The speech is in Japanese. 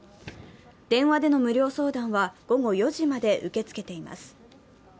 電話での無料相談は午後４時まで受け付けています。